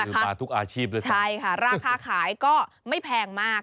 คือมาทุกอาชีพด้วยนะใช่ค่ะราคาขายก็ไม่แพงมาก